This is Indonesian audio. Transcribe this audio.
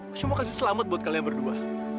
aku cuma mau kasih selamat buat kalian berdua